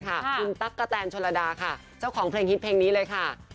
คุณตั๊กกะแตนชนระดาค่ะเจ้าของเพลงฮิตเพลงนี้เลยค่ะ